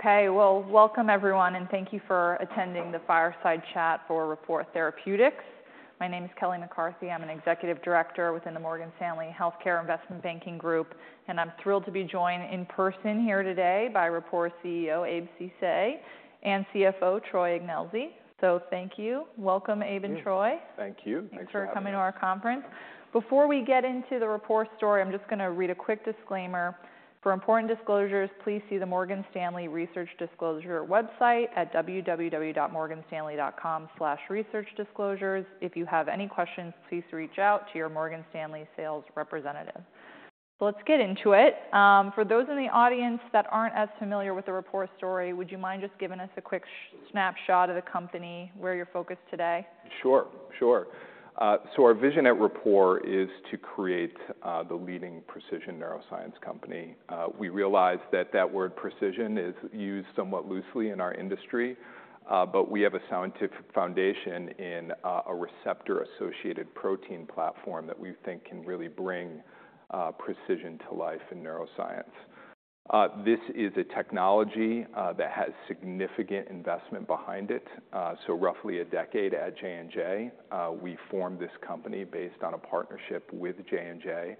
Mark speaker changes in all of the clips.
Speaker 1: Okay, well, welcome everyone, and thank you for attending the Fireside Chat for Rapport Therapeutics. My name is Kelly McCarthy. I'm an executive director within the Morgan Stanley Healthcare Investment Banking Group, and I'm thrilled to be joined in person here today by Rapport's CEO, Abe Ceesay, and CFO, Troy Ignelzi. So thank you. Welcome, Abe and Troy.
Speaker 2: Thank you.
Speaker 3: Thanks for having us.
Speaker 1: Thanks for coming to our conference. Before we get into the Rapport story, I'm just gonna read a quick disclaimer. For important disclosures, please see the Morgan Stanley Research Disclosure website at www.morganstanley.com/researchdisclosures. If you have any questions, please reach out to your Morgan Stanley sales representative. Let's get into it. For those in the audience that aren't as familiar with the Rapport story, would you mind just giving us a quick snapshot of the company, where you're focused today?
Speaker 2: Sure, sure. So our vision at Rapport is to create the leading precision neuroscience company. We realize that that word "precision" is used somewhat loosely in our industry, but we have a scientific foundation in a receptor-associated protein platform that we think can really bring precision to life in neuroscience. This is a technology that has significant investment behind it, so roughly a decade at J&J. We formed this company based on a partnership with J&J.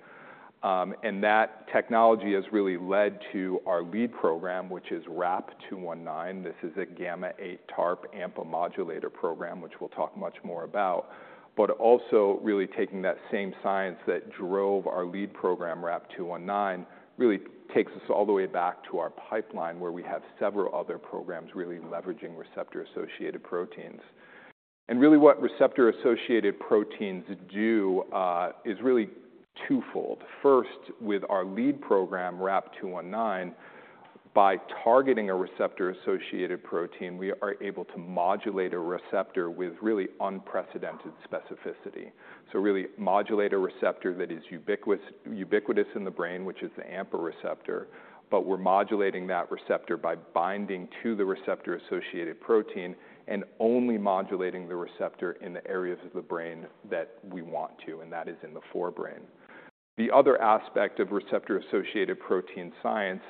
Speaker 2: And that technology has really led to our lead program, which is RAP-219. This is a gamma-8 TARP AMPA modulator program, which we'll talk much more about. But also, really taking that same science that drove our lead program, RAP-219, really takes us all the way back to our pipeline, where we have several other programs really leveraging receptor-associated proteins. Really, what receptor-associated proteins do is really twofold. First, with our lead program, RAP-219, by targeting a receptor-associated protein, we are able to modulate a receptor with really unprecedented specificity. So really modulate a receptor that is ubiquitous in the brain, which is the AMPA receptor, but we're modulating that receptor by binding to the receptor-associated protein and only modulating the receptor in the areas of the brain that we want to, and that is in the forebrain. The other aspect of receptor-associated protein science,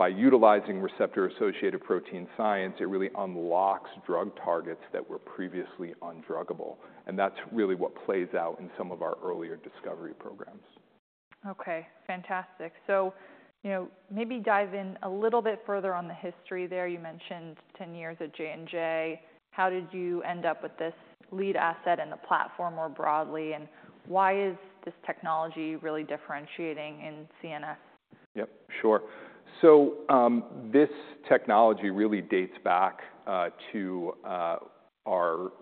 Speaker 2: by utilizing receptor-associated protein science, it really unlocks drug targets that were previously undruggable, and that's really what plays out in some of our earlier discovery programs.
Speaker 1: Okay, fantastic. So, you know, maybe dive in a little bit further on the history there. You mentioned ten years at J&J. How did you end up with this lead asset and the platform more broadly, and why is this technology really differentiating in CNS?
Speaker 2: Yep, sure. So, this technology really dates back to our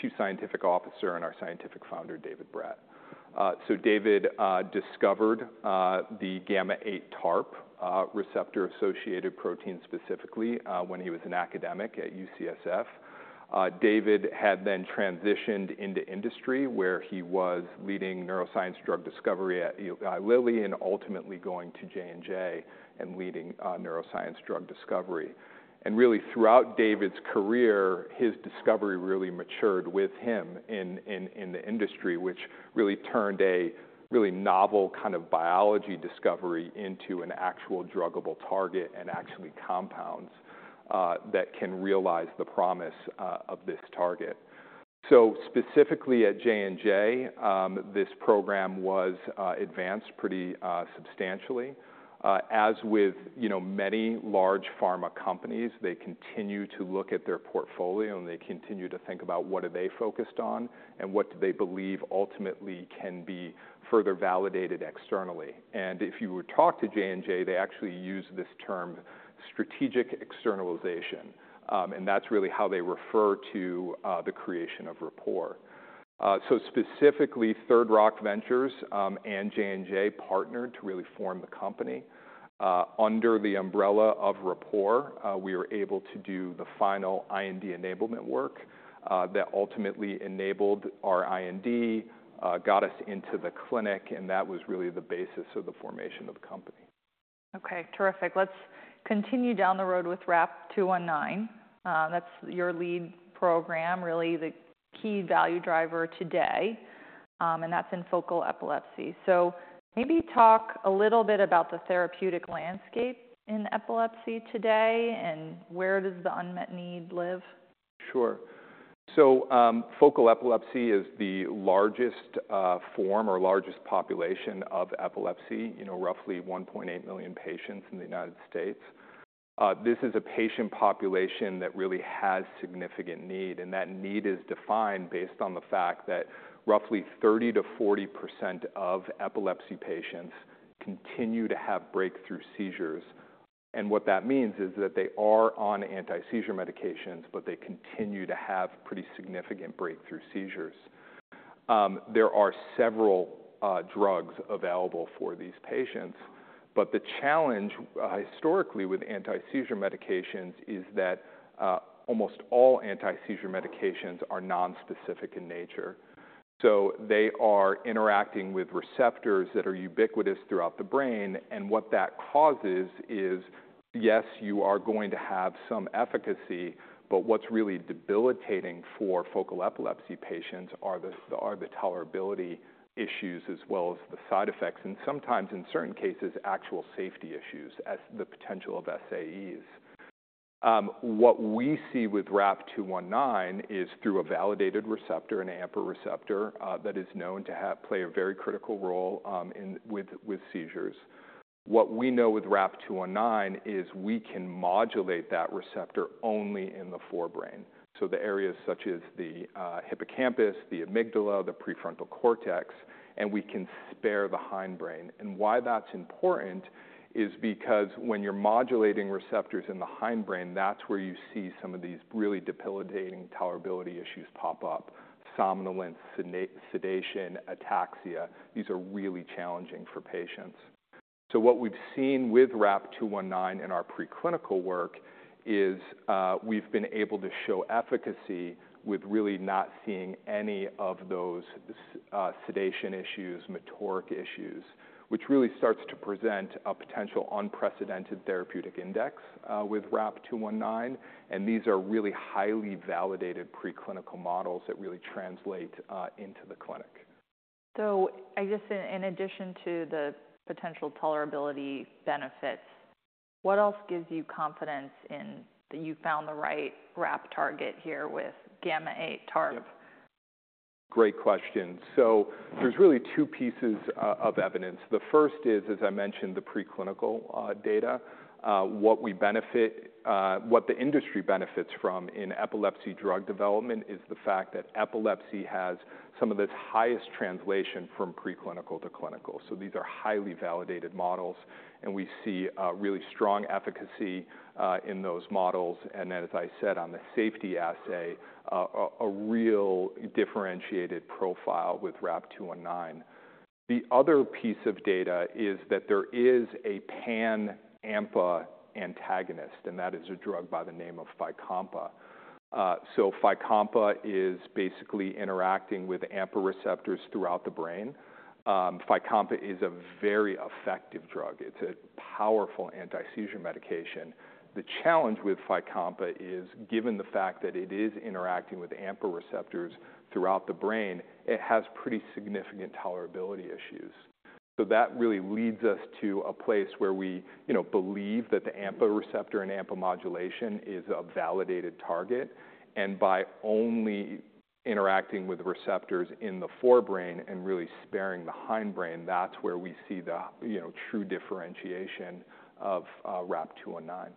Speaker 2: Chief Scientific Officer and our Scientific Founder, David Bredt. So David discovered the TARP gamma-8 receptor-associated protein specifically when he was an academic at UCSF. David had then transitioned into industry, where he was leading neuroscience drug discovery at Eli Lilly, and ultimately going to J&J and leading neuroscience drug discovery. And really, throughout David's career, his discovery really matured with him in the industry, which really turned a really novel kind of biology discovery into an actual druggable target and actually compounds that can realize the promise of this target. So specifically at J&J, this program was advanced pretty substantially. As with, you know, many large pharma companies, they continue to look at their portfolio, and they continue to think about what are they focused on and what do they believe ultimately can be further validated externally, and if you were to talk to J&J, they actually use this term, strategic externalization, and that's really how they refer to the creation of Rapport, so specifically, Third Rock Ventures and J&J partnered to really form the company. Under the umbrella of Rapport, we were able to do the final IND enablement work that ultimately enabled our IND, got us into the clinic, and that was really the basis of the formation of the company.
Speaker 1: Okay, terrific. Let's continue down the road with RAP-219. That's your lead program, really the key value driver today, and that's in focal epilepsy. So maybe talk a little bit about the therapeutic landscape in epilepsy today, and where does the unmet need live?
Speaker 2: Sure. So, focal epilepsy is the largest form or largest population of epilepsy, you know, roughly 1.8 million patients in the United States. This is a patient population that really has significant need, and that need is defined based on the fact that roughly 30% to 40% of epilepsy patients continue to have breakthrough seizures. And what that means is that they are on anti-seizure medications, but they continue to have pretty significant breakthrough seizures. There are several drugs available for these patients, but the challenge historically with anti-seizure medications is that almost all anti-seizure medications are non-specific in nature. So they are interacting with receptors that are ubiquitous throughout the brain, and what that causes is, yes, you are going to have some efficacy, but what's really debilitating for focal epilepsy patients are the tolerability issues as well as the side effects, and sometimes in certain cases, actual safety issues as the potential of SAEs. What we see with RAP-219 is through a validated receptor, an AMPA receptor, that is known to play a very critical role in seizures. What we know with RAP-219 is we can modulate that receptor only in the forebrain, so the areas such as the hippocampus, the amygdala, the prefrontal cortex, and we can spare the hindbrain. And why that's important is because when you're modulating receptors in the hindbrain, that's where you see some of these really debilitating tolerability issues pop up: somnolence, sedation, ataxia. These are really challenging for patients. So what we've seen with RAP-219 in our preclinical work is, we've been able to show efficacy with really not seeing any of those sedation issues, motoric issues, which really starts to present a potential unprecedented therapeutic index, with RAP-219, and these are really highly validated preclinical models that really translate into the clinic.
Speaker 1: I guess in addition to the potential tolerability benefits, what else gives you confidence in that you found the right RAP target here with TARP gamma-8?
Speaker 2: Yep. Great question. So there's really two pieces of evidence. The first is, as I mentioned, the preclinical data. What the industry benefits from in epilepsy drug development is the fact that epilepsy has some of the highest translation from preclinical to clinical. So these are highly validated models, and we see a really strong efficacy in those models, and as I said, on the safety assay, a real differentiated profile with RAP-219. The other piece of data is that there is a pan-AMPA antagonist, and that is a drug by the name of Fycompa. So Fycompa is basically interacting with AMPA receptors throughout the brain. Fycompa is a very effective drug. It's a powerful anti-seizure medication. The challenge with Fycompa is, given the fact that it is interacting with AMPA receptors throughout the brain, it has pretty significant tolerability issues. So that really leads us to a place where we, you know, believe that the AMPA receptor and AMPA modulation is a validated target, and by only interacting with receptors in the forebrain and really sparing the hindbrain, that's where we see the, you know, true differentiation of RAP-219.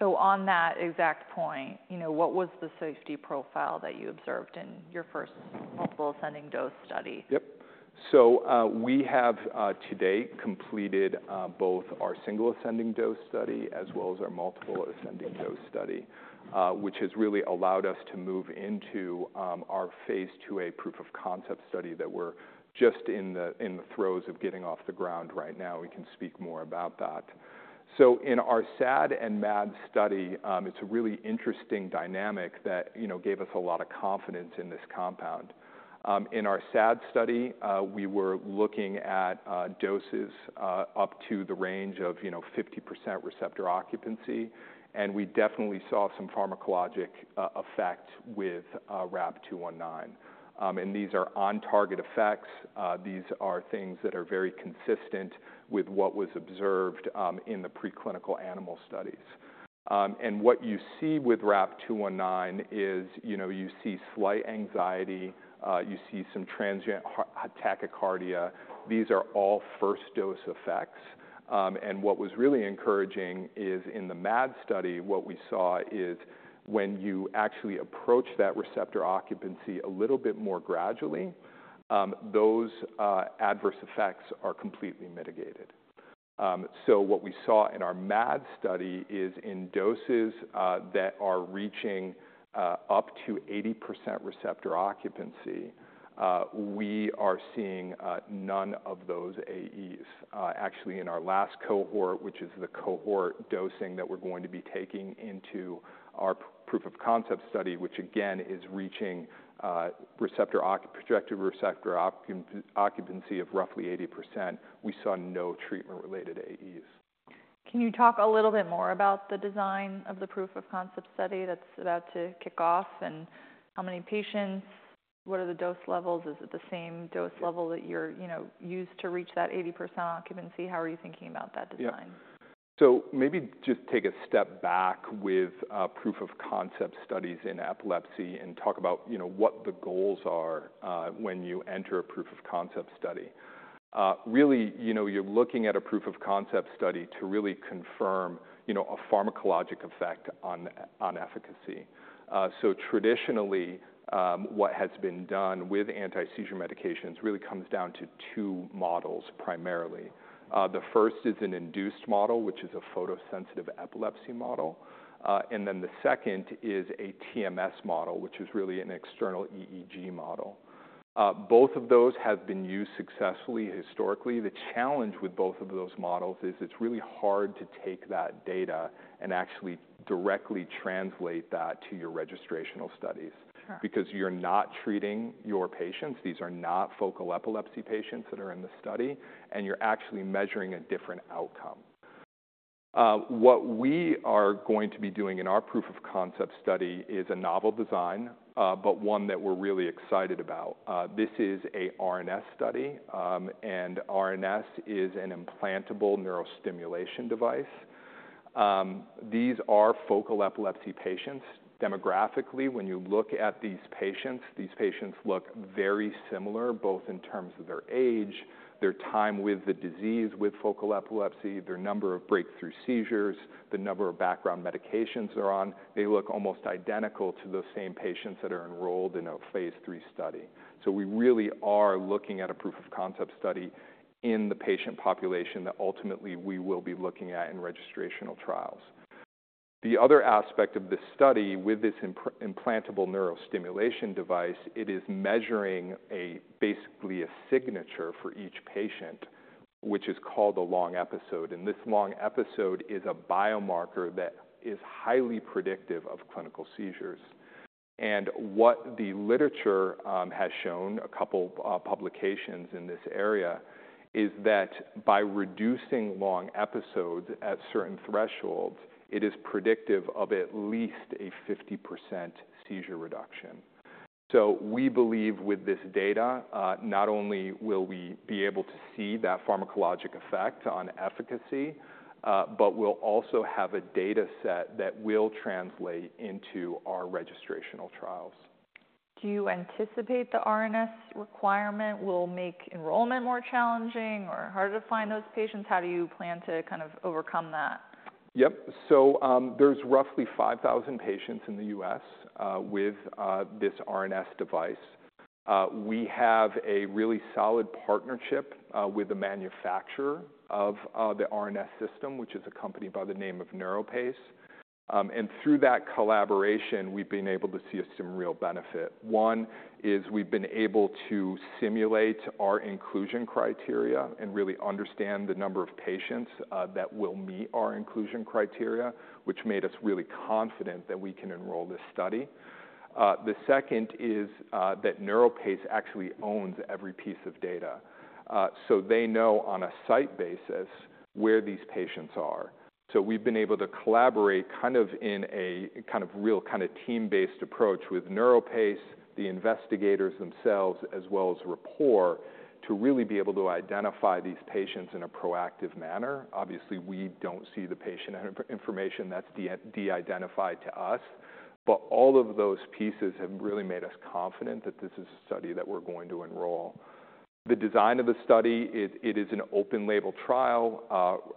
Speaker 1: So on that exact point, you know, what was the safety profile that you observed in your first multiple ascending dose study?
Speaker 2: Yep. So, we have, to date, completed, both our single ascending dose study as well as our multiple ascending dose study, which has really allowed us to move into, our Phase II A proof-of-concept study that we're just in the throes of getting off the ground right now. We can speak more about that. So in our SAD and MAD study, it's a really interesting dynamic that, you know, gave us a lot of confidence in this compound. In our SAD study, we were looking at, doses, up to the range of, you know, 50% receptor occupancy, and we definitely saw some pharmacologic, effects with, RAP-219. And these are on-target effects. These are things that are very consistent with what was observed, in the preclinical animal studies. And what you see with RAP-219 is, you know, you see slight anxiety, you see some transient tachycardia. These are all first-dose effects. And what was really encouraging is in the MAD study, what we saw is when you actually approach that receptor occupancy a little bit more gradually, those adverse effects are completely mitigated. So what we saw in our MAD study is in doses that are reaching up to 80% receptor occupancy, we are seeing none of those AEs. Actually, in our last cohort, which is the cohort dosing that we're going to be taking into our proof-of-concept study, which again is reaching projected receptor occupancy of roughly 80%, we saw no treatment-related AEs.
Speaker 1: Can you talk a little bit more about the design of the proof-of-concept study that's about to kick off? And how many patients, what are the dose levels? Is it the same dose level that you're, you know, used to reach that 80% occupancy? How are you thinking about that design?
Speaker 2: Yeah. So maybe just take a step back with proof-of-concept studies in epilepsy and talk about, you know, what the goals are, when you enter a proof-of-concept study. Really, you know, you're looking at a proof-of-concept study to really confirm, you know, a pharmacologic effect on efficacy. So traditionally, what has been done with anti-seizure medications really comes down to two models primarily. The first is an induced model, which is a photosensitive epilepsy model, and then the second is a TMS model, which is really an external EEG model. Both of those have been used successfully historically. The challenge with both of those models is it's really hard to take that data and actually directly translate that to your registrational studies—
Speaker 1: Sure
Speaker 2: Because you're not treating your patients. These are not focal epilepsy patients that are in the study, and you're actually measuring a different outcome. What we are going to be doing in our proof-of-concept study is a novel design, but one that we're really excited about. This is a RNS study, and RNS is an implantable neurostimulation device.... These are focal epilepsy patients. Demographically, when you look at these patients, these patients look very similar, both in terms of their age, their time with the disease, with focal epilepsy, their number of breakthrough seizures, the number of background medications they're on. They look almost identical to those same patients that are enrolled in a Phase III study. So we really are looking at a proof of concept study in the patient population that ultimately we will be looking at in registrational trials. The other aspect of this study, with this implantable neurostimulation device, it is measuring basically a signature for each patient, which is called a long episode. And this long episode is a biomarker that is highly predictive of clinical seizures. And what the literature has shown, a couple publications in this area, is that by reducing long episodes at certain thresholds, it is predictive of at least a 50% seizure reduction. So we believe with this data, not only will we be able to see that pharmacologic effect on efficacy, but we'll also have a data set that will translate into our registrational trials.
Speaker 1: Do you anticipate the RNS requirement will make enrollment more challenging or harder to find those patients? How do you plan to kind of overcome that?
Speaker 2: Yep. There's roughly 5,000 patients in the U.S. with this RNS device. We have a really solid partnership with the manufacturer of the RNS System, which is a company by the name of NeuroPace. Through that collaboration, we've been able to see some real benefit. One is we've been able to simulate our inclusion criteria and really understand the number of patients that will meet our inclusion criteria, which made us really confident that we can enroll this study. The second is that NeuroPace actually owns every piece of data. So they know on a site basis where these patients are. So we've been able to collaborate kind of in a real team-based approach with NeuroPace, the investigators themselves, as well as Rapport, to really be able to identify these patients in a proactive manner. Obviously, we don't see the patient information, that's de-identified to us, but all of those pieces have really made us confident that this is a study that we're going to enroll. The design of the study is an open-label trial,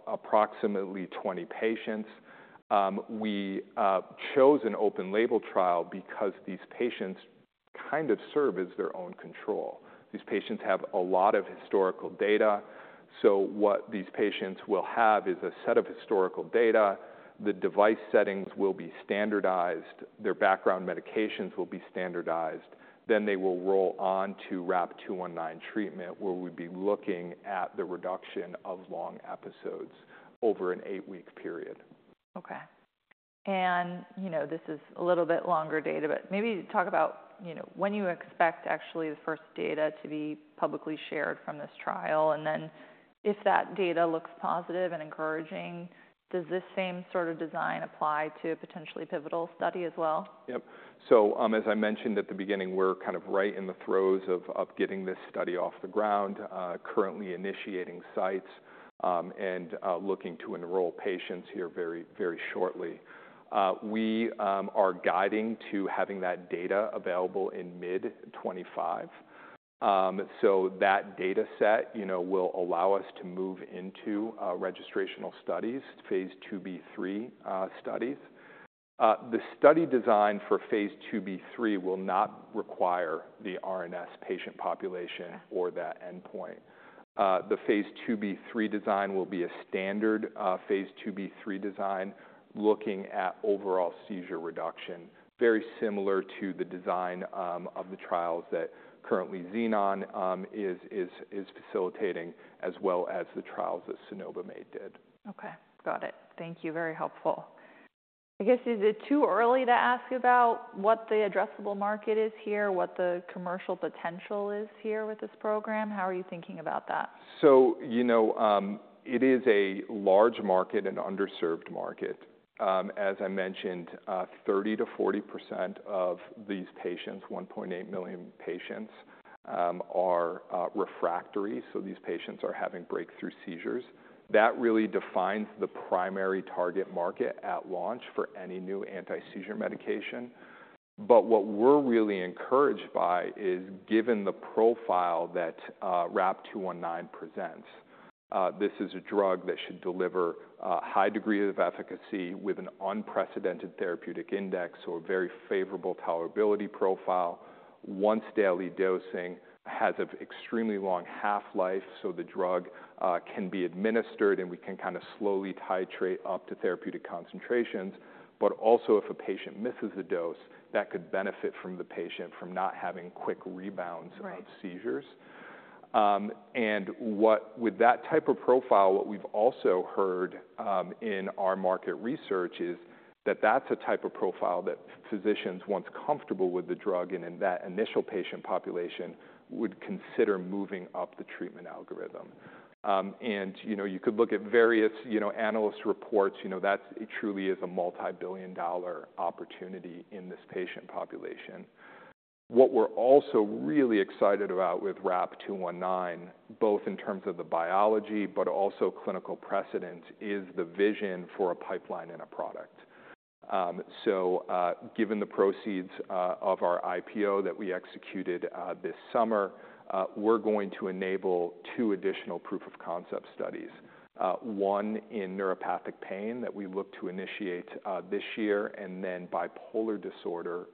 Speaker 2: approximately 20 patients. We chose an open-label trial because these patients kind of serve as their own control. These patients have a lot of historical data, so what these patients will have is a set of historical data. The device settings will be standardized, their background medications will be standardized, then they will roll on to RAP-219 treatment, where we'd be looking at the reduction of long episodes over an eight-week period.
Speaker 1: Okay and, you know, this is a little bit longer data, but maybe talk about, you know, when you expect actually the first data to be publicly shared from this trial, and then if that data looks positive and encouraging, does this same sort of design apply to a potentially pivotal study as well?
Speaker 2: Yep, so as I mentioned at the beginning, we're kind of right in the throes of getting this study off the ground, currently initiating sites, and looking to enroll patients here very, very shortly. We are guiding to having that data available in mid-2025, so that data set, you know, will allow us to move into registrational studies, Phase II B/III studies. The study design for Phase II B/III will not require the RNS patient population.
Speaker 1: Okay.
Speaker 2: -or that endpoint. The Phase II B/III design will be a standard Phase II B/III design, looking at overall seizure reduction, very similar to the design of the trials that currently Xenon is facilitating, as well as the trials that Sunovion did.
Speaker 1: Okay. Got it. Thank you. Very helpful. I guess, is it too early to ask about what the addressable market is here, what the commercial potential is here with this program? How are you thinking about that?
Speaker 2: So, you know, it is a large market, an underserved market. As I mentioned, 30% to 40% of these patients, 1.8 million patients, are refractory, so these patients are having breakthrough seizures. That really defines the primary target market at launch for any new anti-seizure medication. But what we're really encouraged by is, given the profile that RAP-219 presents, this is a drug that should deliver a high degree of efficacy with an unprecedented therapeutic index or very favorable tolerability profile. Once-daily dosing has an extremely long half-life, so the drug can be administered, and we can kind of slowly titrate up to therapeutic concentrations. But also, if a patient misses a dose, that could benefit the patient from not having quick rebounds-
Speaker 1: Right.
Speaker 2: of seizures. And what—with that type of profile, what we've also heard in our market research is that that's a type of profile that physicians, once comfortable with the drug and in that initial patient population, would consider moving up the treatment algorithm. And, you know, you could look at various, you know, analyst reports, you know, that's truly is a multibillion-dollar opportunity in this patient population. What we're also really excited about with RAP-219, both in terms of the biology, but also clinical precedent, is the vision for a pipeline and a product. So, given the proceeds of our IPO that we executed this summer, we're going to enable two additional proof of concept studies. One in neuropathic pain that we look to initiate this year, and then bipolar disorder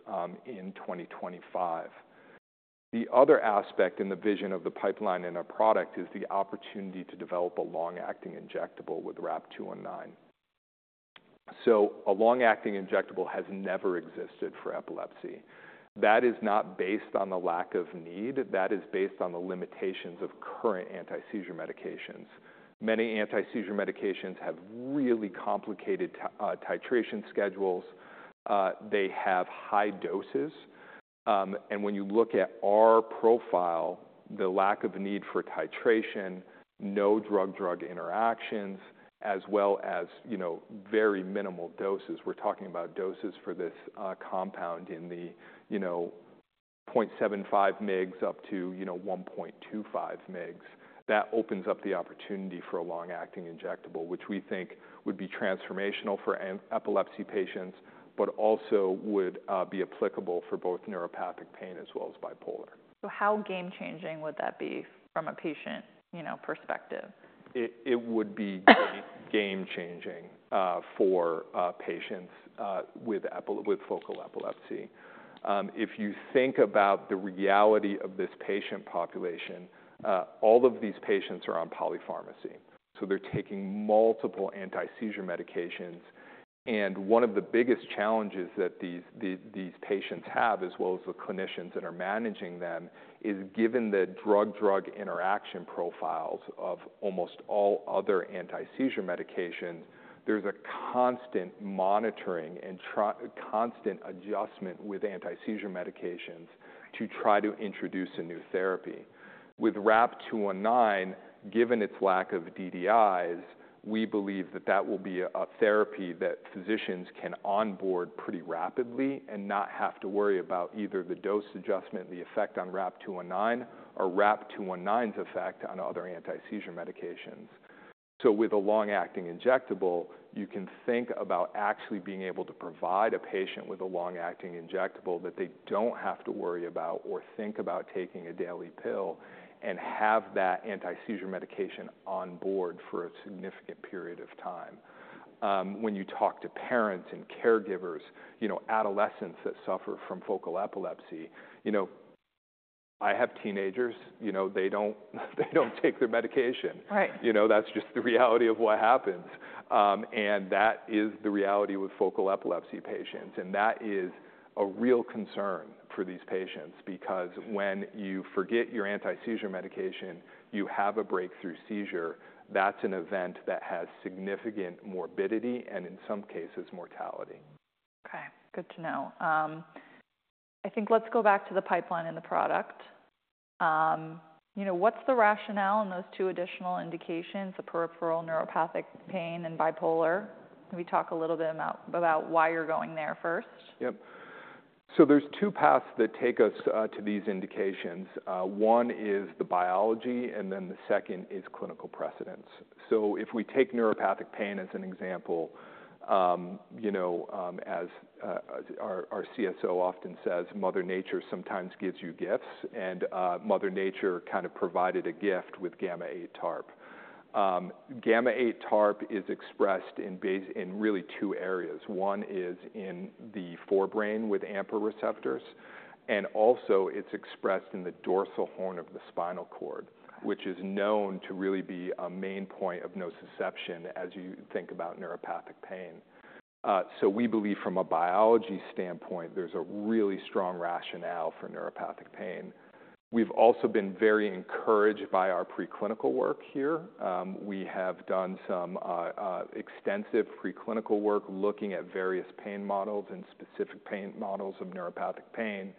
Speaker 2: in 2025. The other aspect in the vision of the pipeline and our product is the opportunity to develop a long-acting injectable with RAP-219. A long-acting injectable has never existed for epilepsy. That is not based on the lack of need, that is based on the limitations of current anti-seizure medications. Many anti-seizure medications have really complicated titration schedules. They have high doses, and when you look at our profile, the lack of need for titration, no drug-drug interactions, as well as, you know, very minimal doses. We're talking about doses for this compound in the, you know, 0.75 mg up to, you know, 1.25 mg. That opens up the opportunity for a long-acting injectable, which we think would be transformational for epilepsy patients, but also would be applicable for both neuropathic pain as well as bipolar.
Speaker 1: So how game changing would that be from a patient, you know, perspective?
Speaker 2: It would be game changing for patients with focal epilepsy. If you think about the reality of this patient population, all of these patients are on polypharmacy, so they're taking multiple anti-seizure medications. And one of the biggest challenges that these patients have, as well as the clinicians that are managing them, is given the drug-drug interaction profiles of almost all other anti-seizure medications, there's a constant monitoring and constant adjustment with anti-seizure medications to try to introduce a new therapy. With RAP-219, given its lack of DDIs, we believe that will be a therapy that physicians can onboard pretty rapidly and not have to worry about either the dose adjustment, the effect on RAP-219, or RAP-219's effect on other anti-seizure medications. So with a long-acting injectable, you can think about actually being able to provide a patient with a long-acting injectable that they don't have to worry about or think about taking a daily pill, and have that anti-seizure medication on board for a significant period of time. When you talk to parents and caregivers, you know, adolescents that suffer from focal epilepsy, you know, I have teenagers, you know, they don't take their medication.
Speaker 1: Right.
Speaker 2: You know, that's just the reality of what happens, and that is the reality with focal epilepsy patients, and that is a real concern for these patients, because when you forget your anti-seizure medication, you have a breakthrough seizure. That's an event that has significant morbidity and in some cases, mortality.
Speaker 1: Okay, good to know. I think let's go back to the pipeline and the product. You know, what's the rationale on those two additional indications, the peripheral neuropathic pain and bipolar? Can we talk a little bit about why you're going there first?
Speaker 2: Yep. So there's two paths that take us to these indications. One is the biology, and then the second is clinical precedent. So if we take neuropathic pain as an example, you know, as our CSO often says, "Mother Nature sometimes gives you gifts," and Mother Nature kind of provided a gift with TARP gamma-8. TARP gamma-8 is expressed in really two areas. One is in the forebrain with AMPA receptors, and also it's expressed in the dorsal horn of the spinal cord—
Speaker 1: Okay
Speaker 2: Which is known to really be a main point of nociception as you think about neuropathic pain. So we believe from a biology standpoint, there's a really strong rationale for neuropathic pain. We've also been very encouraged by our preclinical work here. We have done some extensive preclinical work looking at various pain models and specific pain models of neuropathic pain.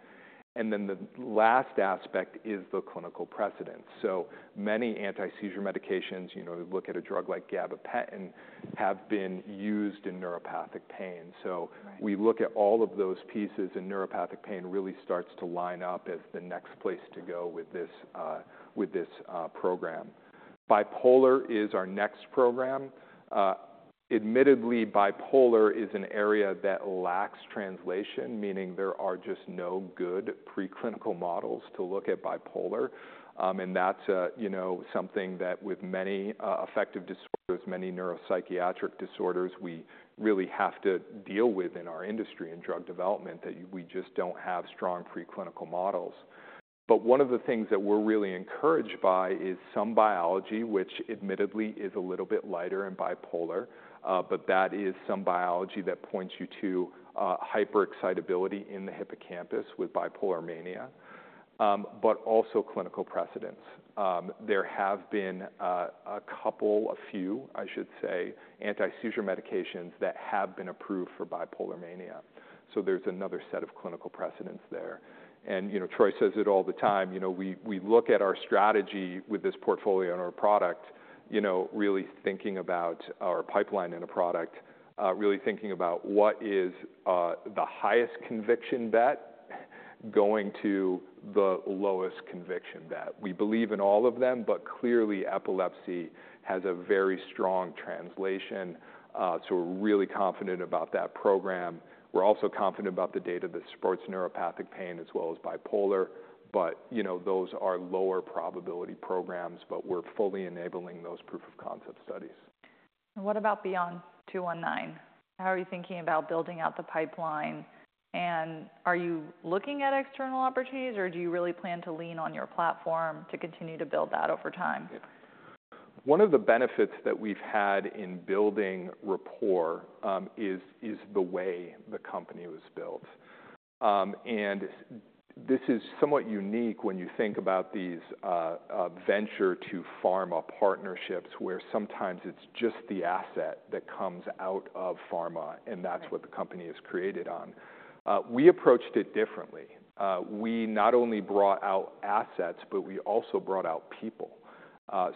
Speaker 2: And then the last aspect is the clinical precedence. So many anti-seizure medications, you know, we look at a drug like gabapentin, have been used in neuropathic pain.
Speaker 1: Right.
Speaker 2: So we look at all of those pieces, and neuropathic pain really starts to line up as the next place to go with this program. Bipolar is our next program. Admittedly, bipolar is an area that lacks translation, meaning there are just no good preclinical models to look at bipolar. And that's, you know, something that with many affective disorders, many neuropsychiatric disorders, we really have to deal with in our industry, in drug development, that we just don't have strong preclinical models. But one of the things that we're really encouraged by is some biology, which admittedly is a little bit lighter in bipolar, but that is some biology that points you to hyperexcitability in the hippocampus with bipolar mania, but also clinical precedent. There have been a couple, a few, I should say, anti-seizure medications that have been approved for bipolar mania. So there's another set of clinical precedent there. And, you know, Troy says it all the time, you know, we, we look at our strategy with this portfolio and our product, you know, really thinking about our pipeline and a product, really thinking about what is, the highest conviction bet?... going to the lowest conviction bet. We believe in all of them, but clearly, epilepsy has a very strong translation, so we're really confident about that program. We're also confident about the data that supports neuropathic pain as well as bipolar, but, you know, those are lower probability programs, but we're fully enabling those proof of concept studies.
Speaker 1: And what about beyond 219? How are you thinking about building out the pipeline? And are you looking at external opportunities, or do you really plan to lean on your platform to continue to build that over time?
Speaker 2: One of the benefits that we've had in building Rapport is the way the company was built. And this is somewhat unique when you think about these venture to pharma partnerships, where sometimes it's just the asset that comes out of pharma, and that's what the company is created on. We approached it differently. We not only brought out assets, but we also brought out people.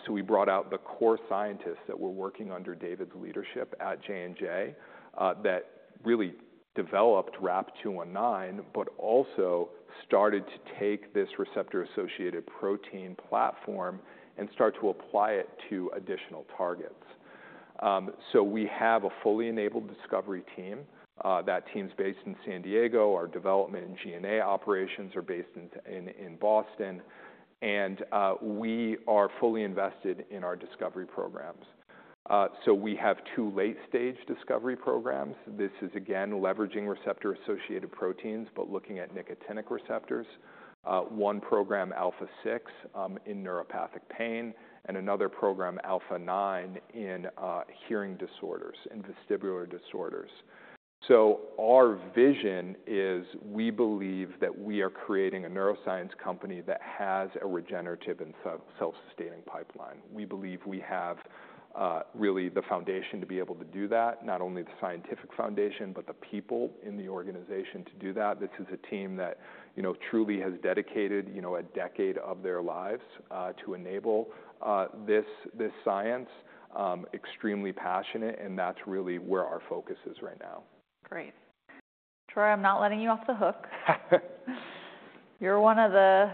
Speaker 2: So we brought out the core scientists that were working under David's leadership at J&J that really developed RAP-219, but also started to take this receptor-associated protein platform and start to apply it to additional targets. So we have a fully enabled discovery team. That team's based in San Diego. Our development and G&A operations are based in Boston, and we are fully invested in our discovery programs. So we have two late-stage discovery programs. This is again leveraging receptor-associated proteins, but looking at nicotinic receptors. One program, Alpha-6, in neuropathic pain, and another program, Alpha-9, in hearing disorders and vestibular disorders. Our vision is we believe that we are creating a neuroscience company that has a regenerative and self-sustaining pipeline. We believe we have really the foundation to be able to do that, not only the scientific foundation, but the people in the organization to do that. This is a team that, you know, truly has dedicated, you know, a decade of their lives to enable this science. Extremely passionate, and that's really where our focus is right now.
Speaker 1: Great. Troy, I'm not letting you off the hook. You're one of the,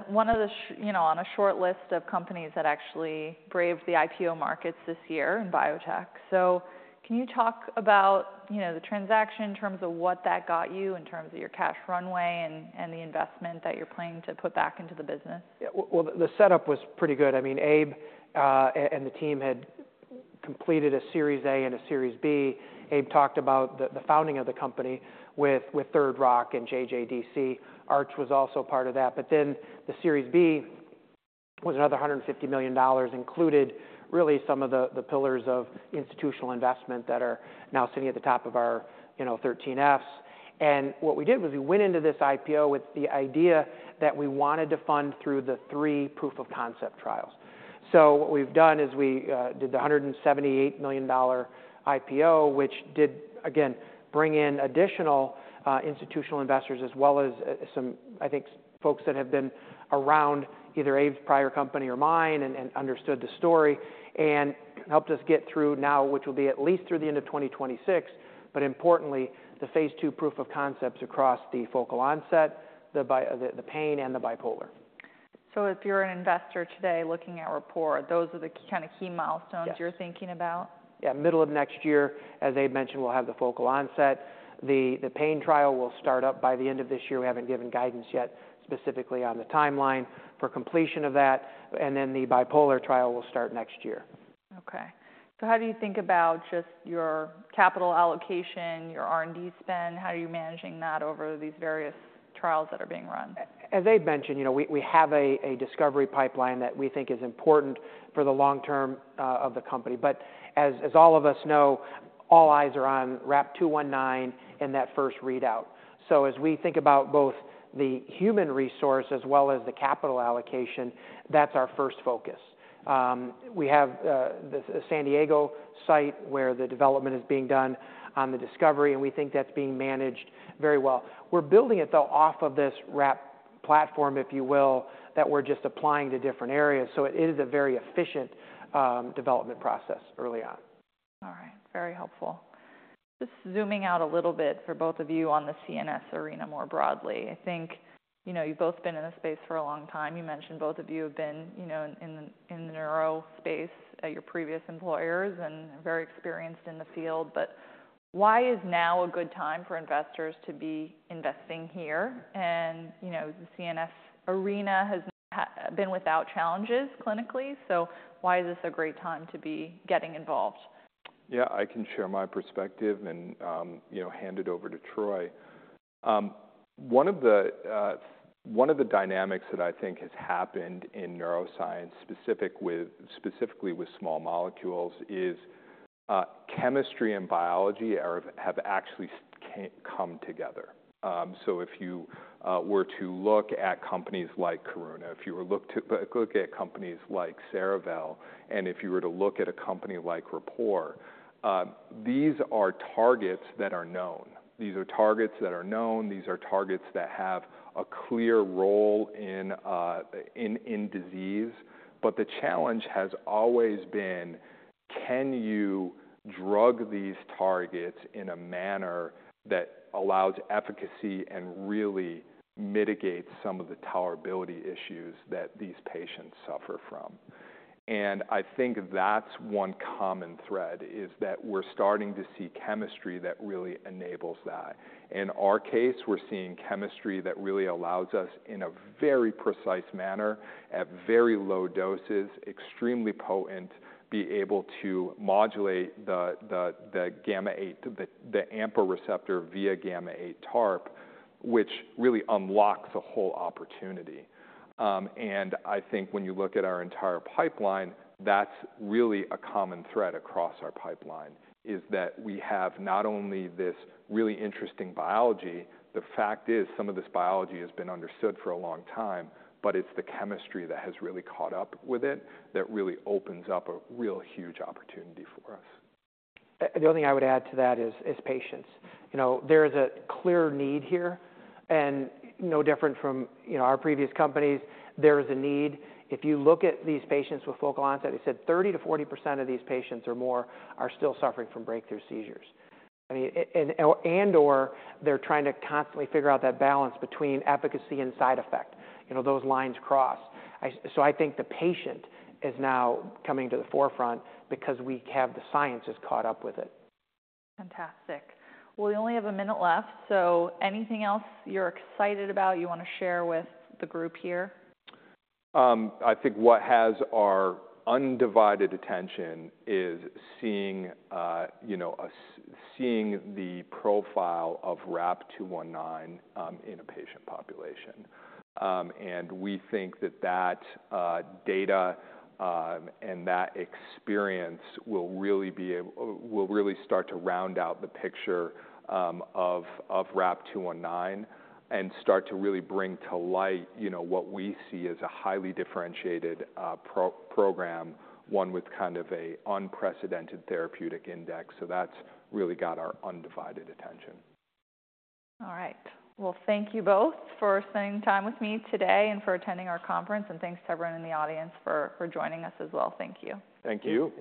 Speaker 1: you know, on a short list of companies that actually braved the IPO markets this year in biotech. So can you talk about, you know, the transaction in terms of what that got you, in terms of your cash runway and, and the investment that you're planning to put back into the business?
Speaker 3: Yeah. Well, the setup was pretty good. I mean, Abe and the team had completed a Series A and a Series B. Abe talked about the founding of the company with Third Rock and JJDC. ARCH was also part of that. But then the Series B was another $150 million, included really some of the pillars of institutional investment that are now sitting at the top of our 13Fs, you know. And what we did was we went into this IPO with the idea that we wanted to fund through the three proof of concept trials. So what we've done is we did the $178 million dollar IPO, which did, again, bring in additional institutional investors, as well as some, I think, folks that have been around either Abe's prior company or mine and understood the story and helped us get through now, which will be at least through the end of 2026, but importantly, the Phase II proof of concepts across the focal onset, the pain and the bipolar.
Speaker 1: So if you're an investor today looking at Rapport, those are the kinda key milestones—
Speaker 3: Yes
Speaker 1: You're thinking about?
Speaker 3: Yeah, middle of next year, as Abe mentioned, we'll have the focal onset. The pain trial will start up by the end of this year. We haven't given guidance yet, specifically on the timeline for completion of that, and then the bipolar trial will start next year.
Speaker 1: Okay. So how do you think about just your capital allocation, your R&D spend? How are you managing that over these various trials that are being run?
Speaker 3: As Abe mentioned, you know, we have a discovery pipeline that we think is important for the long term of the company. But as all of us know, all eyes are on RAP-219 and that first readout. So as we think about both the human resource as well as the capital allocation, that's our first focus. We have the San Diego site, where the development is being done on the discovery, and we think that's being managed very well. We're building it, though, off of this RAP platform, if you will, that we're just applying to different areas, so it is a very efficient development process early on.
Speaker 1: All right. Very helpful. Just zooming out a little bit for both of you on the CNS arena more broadly. I think, you know, you've both been in this space for a long time. You mentioned both of you have been, you know, in the neuro space at your previous employers and are very experienced in the field. But why is now a good time for investors to be investing here? And, you know, the CNS arena has been without challenges clinically, so why is this a great time to be getting involved?
Speaker 2: Yeah, I can share my perspective and, you know, hand it over to Troy. One of the dynamics that I think has happened in neuroscience, specifically with small molecules, is chemistry and biology have actually come together. So if you were to look at companies like Karuna, if you were to look at companies like Cerevel, and if you were to look at a company like Rapport, these are targets that are known. These are targets that are known. These are targets that have a clear role in disease. But the challenge has always been: Can you drug these targets in a manner that allows efficacy and really mitigates some of the tolerability issues that these patients suffer from? I think that's one common thread, is that we're starting to see chemistry that really enables that. In our case, we're seeing chemistry that really allows us, in a very precise manner, at very low doses, extremely potent, be able to modulate the AMPA receptor via TARP gamma-8, which really unlocks a whole opportunity. And I think when you look at our entire pipeline, that's really a common thread across our pipeline, is that we have not only this really interesting biology. The fact is, some of this biology has been understood for a long time, but it's the chemistry that has really caught up with it, that really opens up a real huge opportunity for us.
Speaker 3: The only thing I would add to that is patients. You know, there is a clear need here and no different from, you know, our previous companies, there is a need. If you look at these patients with focal onset, I said 30-40% of these patients or more are still suffering from breakthrough seizures. I mean, and/or they're trying to constantly figure out that balance between efficacy and side effect, you know, those lines cross. So I think the patient is now coming to the forefront because we have the sciences caught up with it.
Speaker 1: Fantastic. Well, we only have a minute left, so anything else you're excited about, you want to share with the group here?
Speaker 2: I think what has our undivided attention is seeing, you know, seeing the profile of RAP-219 in a patient population. We think that data and that experience will really start to round out the picture of RAP-219 and start to really bring to light, you know, what we see as a highly differentiated program, one with kind of a unprecedented therapeutic index. So that's really got our undivided attention.
Speaker 1: All right. Well, thank you both for spending time with me today and for attending our conference, and thanks to everyone in the audience for joining us as well. Thank you.
Speaker 2: Thank you.